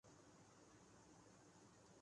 جب وہ بول رہے تھے۔